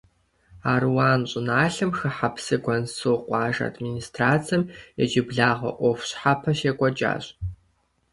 Аруан щӀыналъэм хыхьэ Псыгуэнсу къуажэ администрацэм иджыблагъэ Ӏуэху щхьэпэ щекӀуэкӀащ.